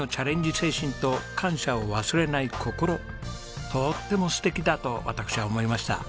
精神と感謝を忘れない心とっても素敵だと私は思いました。